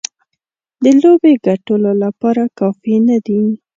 د لوبې ګټلو لپاره کافي نه دي.